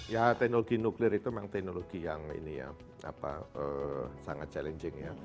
ya teknologi nuklir itu memang teknologi yang ini ya sangat challenging ya